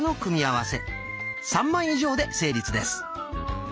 ３枚以上で成立です。